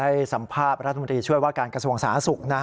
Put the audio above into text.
ให้สัมภาพธรรมดีช่วยว่าการกระทรวงสาหกสุขนะ